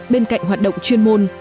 bên cạnh hoạt động chuyên môn